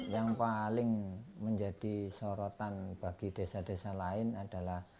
yang paling menjadi sorotan bagi desa desa lain adalah